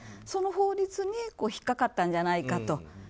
その法律に引っかかったんじゃないかと。